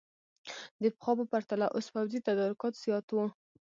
د پخوا په پرتله اوس پوځي تدارکات زیات وو.